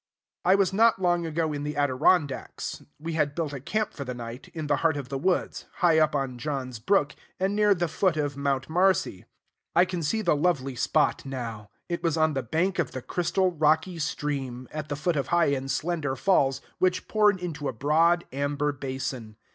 I was not long ago in the Adirondacks. We had built a camp for the night, in the heart of the woods, high up on John's Brook and near the foot of Mount Marcy: I can see the lovely spot now. It was on the bank of the crystal, rocky stream, at the foot of high and slender falls, which poured into a broad amber basin.